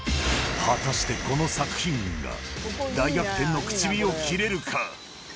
果たしてこの作品群が、大逆転の口火を切れるか。